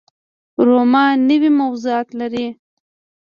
رومانوي موضوعات لري